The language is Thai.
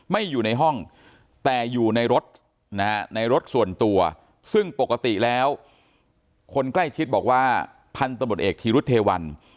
อยู่ในห้องแต่อยู่ในรถนะฮะในรถส่วนตัวซึ่งปกติแล้วคนใกล้ชิดบอกว่าพันธบทเอกธีรุธเทวัน